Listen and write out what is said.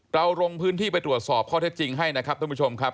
เราลงพื้นที่ไปตรวจสอบข้อเท็จจริงให้นะครับท่านผู้ชมครับ